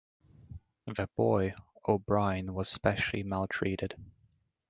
The boy, O'Brien, was specially maltreated.